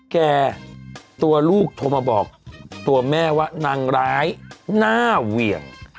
ตัวลูกโทรมาบอกตัวแม่ว่านางร้ายหน้าเหวี่ยง